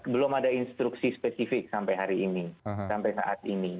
belum ada instruksi spesifik sampai hari ini sampai saat ini